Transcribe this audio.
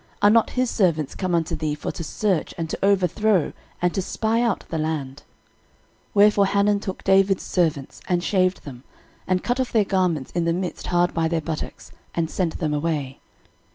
are not his servants come unto thee for to search, and to overthrow, and to spy out the land? 13:019:004 Wherefore Hanun took David's servants, and shaved them, and cut off their garments in the midst hard by their buttocks, and sent them away.